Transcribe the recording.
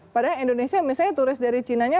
padahal indonesia misalnya turis dari cinanya